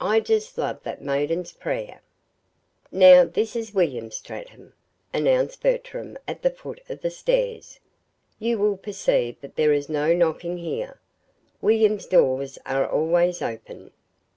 "I just love that 'Maiden's Prayer'!" "Now this is William's stratum," announced Bertram at the foot of the stairs. "You will perceive that there is no knocking here; William's doors are always open."